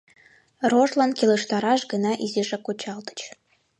Рожлан келыштараш гына изишак кучалтыч.